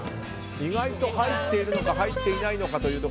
意外と入っているのか入っていないのか。